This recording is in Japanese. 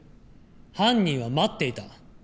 犯人は待っていた。